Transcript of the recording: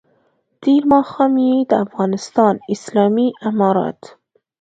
تېر ماښام یې د افغانستان اسلامي امارت